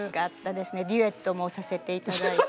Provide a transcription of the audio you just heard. デュエットもさせていただいて。